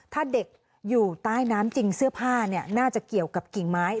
ถ้าเด็กอยู่ใต้น้ำจริงเสื้อผ้าน่าจะเกี่ยวกับกิ่งไม้